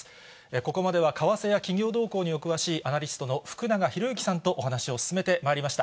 ここまでは為替や企業動向にお詳しい、アナリストの福永博之さんとお話を進めてまいりました。